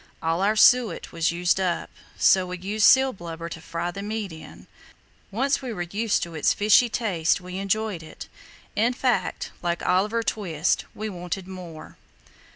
All our suet was used up, so we used seal blubber to fry the meat in. Once we were used to its fishy taste we enjoyed it; in fact, like Oliver Twist, we wanted more.